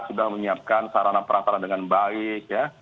sudah menyiapkan sarana perasaran dengan baik ya